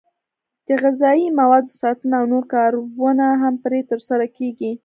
د غذایي موادو ساتنه او نور کارونه هم پرې ترسره کېږي.